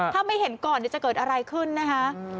ถ้าไม่เห็นก่อนจะเกิดอะไรขึ้นนะคะ